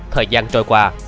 thời gian trôi qua